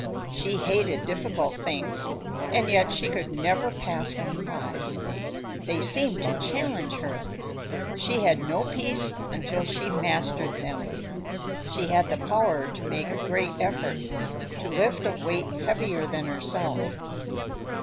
She hated difficult things, and yet she could never pass one by. They seemed to challenge her; she had no peace until she mastered them. She had the power to make a great effort, to lift a weight heavier than herself.